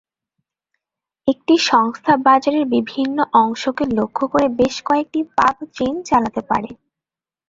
একটি সংস্থা বাজারের বিভিন্ন অংশকে লক্ষ্য করে বেশ কয়েকটি পাব চেইন চালাতে পারে।